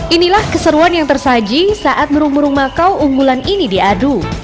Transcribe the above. inilah keseruan yang tersaji saat burung burung makau unggulan ini diadu